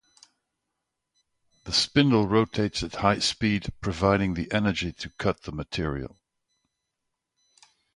The spindle rotates at high speed, providing the energy to cut the material.